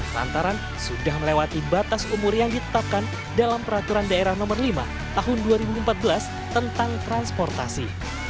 lantaran sudah melewati batas umur yang ditetapkan dalam peraturan daerah nomor lima tahun dua ribu empat belas tentang transportasi